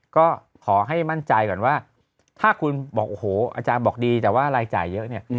ก็ขอให้มั่นใจก่อนว่าถ้าคุณบอกโอ้โหอาจารย์บอกดีแต่ว่ารายจ่ายเยอะเนี่ย